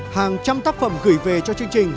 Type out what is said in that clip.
hàng trăm tác phẩm gửi về cho chương trình